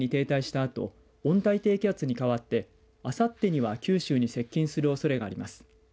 あと温帯低気圧にかわってあさってには九州に接近するおそれがあります。